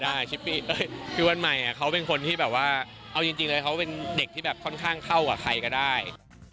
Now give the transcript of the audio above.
ชิปปี้คือวันใหม่เขาเป็นคนที่แบบว่าเอาจริงเลยเขาเป็นเด็กที่แบบค่อนข้างเข้ากับใครก็ได้